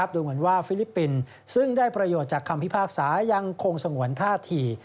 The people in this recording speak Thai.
ดูเหมือนว่าฟิลิปปินส์ซึ่งได้ประโยชน์จากคำพิพากษายังคงสงวนท่าที